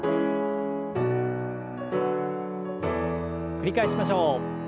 繰り返しましょう。